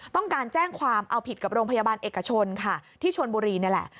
ต้องการแจ้งความเอาผิดกับโรงพยาบาลเอกชนค่ะที่ชนบุรีนี่แหละ